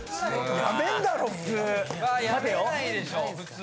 辞めんだろ普通。